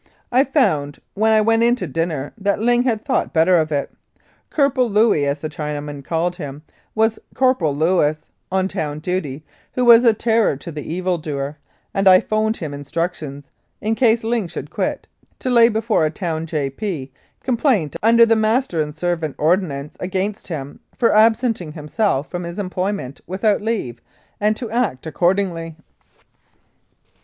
I found wh&n 1 went in to dinner that Ling had thought better of it. "Corp'l Louey," as the Chinamen called him, was a Corporal Lewis, on town duty, who was a terror to the evikioer, and I 'phoned him instructions, in case Ling should quit, to lay before a town J.P. complaint under the Master and Servant Ordinance against him for absenting himself from his employment without leave, and to act accordingly.